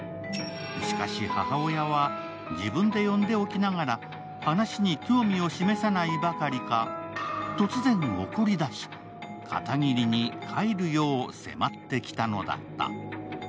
しかし、母親は自分で呼んでおきながら、話に興味を示さないばかりか、突然怒りだし、片桐に帰るよう迫ってきたのだった。